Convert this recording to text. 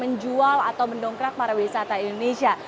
menjual atau mendongkrak para wisata indonesia